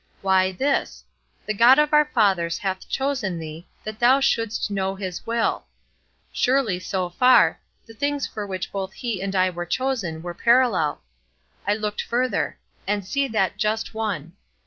Why, this: 'The God of our fathers hath chosen thee, that thou shouldst know his will.' Surely, so far, the things for which both he and I were chosen were parallel. I looked further: 'And see that Just One.'